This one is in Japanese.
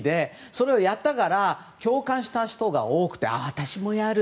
それをやったから共感した人が多くて私もやる！